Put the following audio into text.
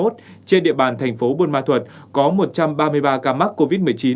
trên địa bàn thành phố buôn ma thuật có một trăm ba mươi ba ca mắc covid một mươi chín